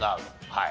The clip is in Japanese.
はい。